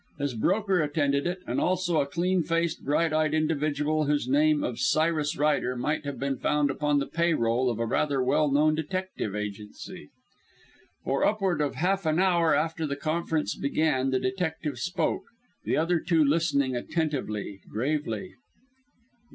His broker attended it, and also a clean faced, bright eyed individual whose name of Cyrus Ryder might have been found upon the pay roll of a rather well known detective agency. For upward of half an hour after the conference began the detective spoke, the other two listening attentively, gravely.